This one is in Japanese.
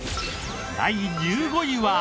第１５位は。